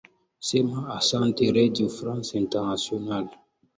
sema asante redio france international